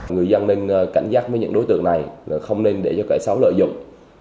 người dân nên cảnh giác với những đối tượng này là không nên để cho kẻ xấu lợi dụng